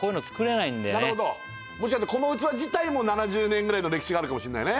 なるほどもしかしてこの器自体も７０年ぐらいの歴史があるかもしれないね